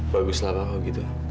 baguslah pak kalau gitu